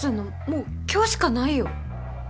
もう今日しかないよ。